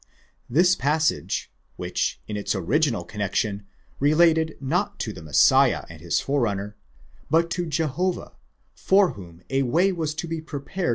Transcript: This passage, which in its original connection related not to the Messiah and his forerunner, but to Jehovah, for whom a way was to be prepared through 87 Ueber den Ursprung u.